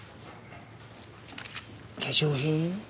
化粧品？